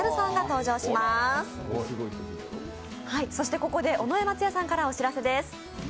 ここで尾上松也さんからお知らせです。